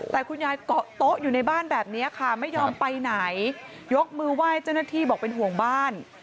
แต่คุณยายเกาะโต๊ะอยู่ในบ้านแบบนี้ค่ะไม่ยอมไปไหนยกมือไหว้เจ้าหน้าที่บอกเป็นห่วงบ้าน